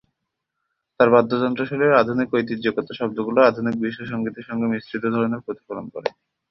তার বাদ্যযন্ত্র শৈলীর আধুনিক ঐতিহ্যগত শব্দগুলো আধুনিক বিশ্ব সঙ্গীতের সঙ্গে মিশ্রিত ধরনের প্রতিফলন করে।